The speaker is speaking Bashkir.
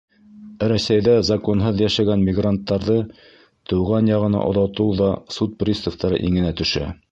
Рәсәйҙә законһыҙ йәшәгән мигранттарҙы тыуған яғына оҙатыу ҙа суд приставтары иңенә төшә.